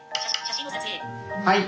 はい。